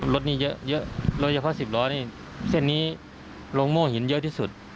รถนี้เยอะโดยเฉพาะ๑๐ล้อนี่เส้นนี้ลงโม่หินเยอะที่สุด